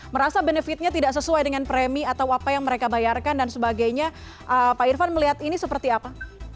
merasa benefitnya tidak sesuai dengan premi atau apa yang mereka bayarkan dan sebagainya pak irfan melihat ini seperti apa